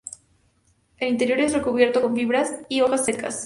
El interior es cubierto con fibras y hojas secas.